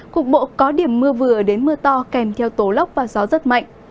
cục bộ có điểm mưa vừa đến mưa to kèm theo tố lốc và gió rất mạnh